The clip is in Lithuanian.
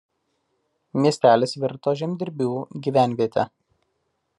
Miestelis virto žemdirbių gyvenviete.